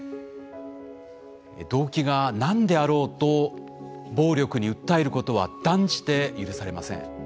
動機が何であろうと暴力に訴えることは断じて許されません。